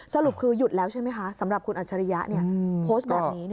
สรุปคือหยุดแล้วใช่ไหมคะสำหรับคุณอัจฉริยะโพสต์แบบนี้